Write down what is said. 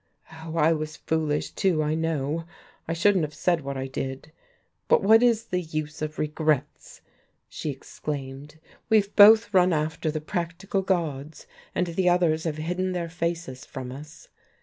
Oh, I was foolish too, I know. I shouldn't have said what I did. But what is the use of regrets?" she exclaimed. "We've both run after the practical gods, and the others have hidden their faces from us.